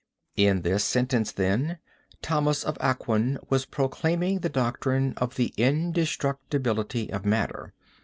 In this sentence, then, Thomas of Aquin was proclaiming the doctrine of the indestructibility of matter.